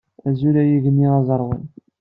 Azul a igenni aẓerwal!